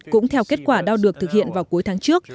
cũng theo kết quả đo được thực hiện vào cuối tháng trước